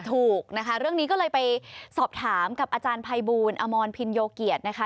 ถูกนะคะเรื่องนี้ก็เลยไปสอบถามกับอาจารย์ภัยบูลอมรพินโยเกียรตินะคะ